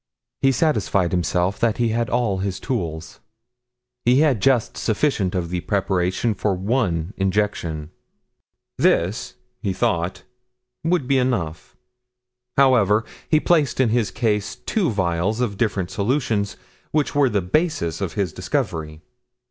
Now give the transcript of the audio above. He satisfied himself that he had all his tools. He had just sufficient of the preparation for one injection; this, he thought, would be enough; however, he placed in his case, two vials of different solutions, which were the basis of his discovery.